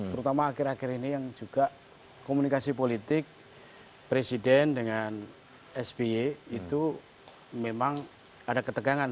terutama akhir akhir ini yang juga komunikasi politik presiden dengan sby itu memang ada ketegangan